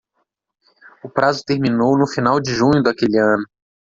O prazo terminou no final de junho daquele ano.